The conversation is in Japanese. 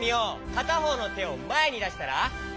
かたほうのてをまえにだしたらおいでおいで。